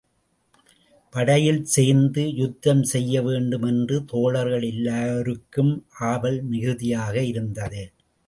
படையில் சேர்ந்து யுத்தம் செய்ய வேண்டும் என்று தோழர்கள் எல்லோருக்கும் ஆவல் மிகுதியாக இருந்தது.